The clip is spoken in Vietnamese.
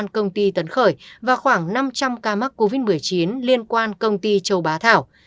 ca mắc covid một mươi chín liên quan công ty châu bá thảo